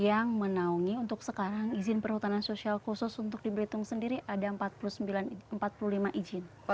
yang menaungi untuk sekarang izin perhutanan sosial khusus untuk di belitung sendiri ada empat puluh lima izin